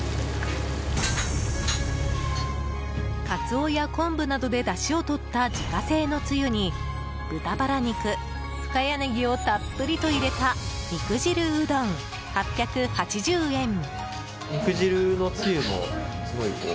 カツオや昆布などでだしをとった自家製のつゆに豚バラ肉、深谷ネギをたっぷりと入れた肉汁うどん、８８０円。